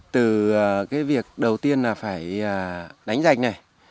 từ cái việc đầu tiên là phải đánh danh này